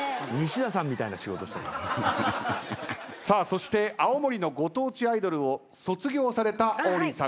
そして青森のご当地アイドルを卒業された王林さんです。